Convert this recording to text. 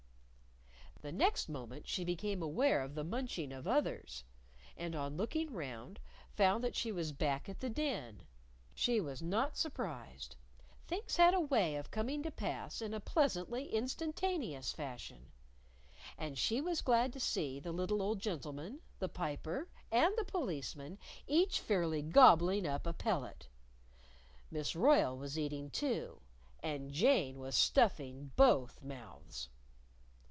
The next moment she became aware of the munching of others. And on looking round, found that she was back at the Den. She was not surprised. Things had a way of coming to pass in a pleasantly instantaneous fashion. And she was glad to see the little old gentleman, the Piper and the Policeman each fairly gobbling up a pellet. Miss Royle was eating, too, and Jane was stuffing both mouths.